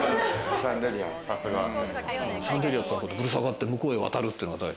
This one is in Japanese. シャンデリアにぶら下がって向こうへ渡るっていうのが大体。